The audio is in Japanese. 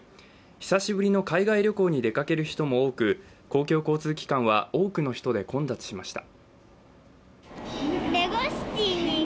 久しぶりの海外旅行に出かける人も多く、公共交通機関は多くの人で混雑しました。